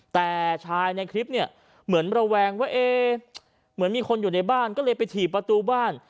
แต่ชายในคลิปเนี่ยเหมือนระแวงว่าเอ๊เหมือนมีคนอยู่ในบ้านก็เลยไปถีบประตูบ้าน